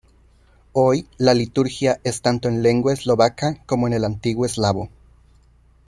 Hoy, la liturgia es tanto en lengua eslovaca como en el antiguo eslavo.